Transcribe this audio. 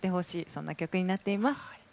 そんな曲になっています。